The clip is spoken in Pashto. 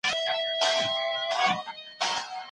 زاڼي سيلونه لري .